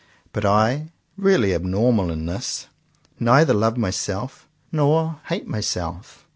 But I — really abnormal in this — neither love myself nor hate my self.